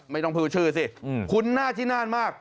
ไม่ต้องพือชื่อสิคุ้นหน้าที่น่านมาก